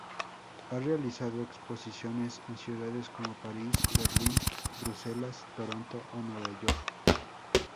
Ha realizado exposiciones en ciudades como París, Berlín, Bruselas, Toronto o Nueva York.